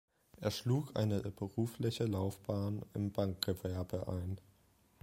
Er schlug eine berufliche Laufbahn im Bankgewerbe ein.